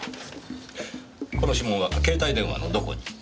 この指紋は携帯電話のどこに？